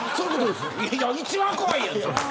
一番怖いやん。